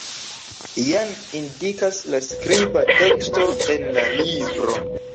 Jen indikas la skriba teksto en la libro.